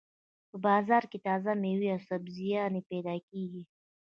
په بازار کې تازه مېوې او سبزيانې پیدا کېږي.